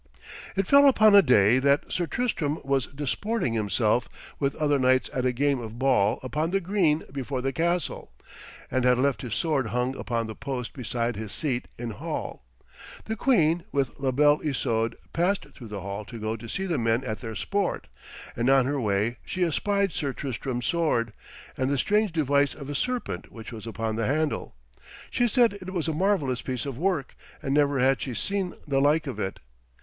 It fell upon a day that Sir Tristram was disporting himself with other knights at a game of ball upon the green before the castle, and had left his sword hung upon the post beside his seat in hall. The queen, with La Belle Isoude, passed through the hall to go to see the men at their sport, and on her way she espied Sir Tristram's sword, and the strange device of a serpent which was upon the handle. She said it was a marvellous piece of work, and never had she seen the like of it.